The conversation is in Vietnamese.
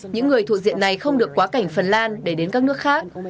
những người thuộc diện này không được quá cảnh phần lan để đến các nước khác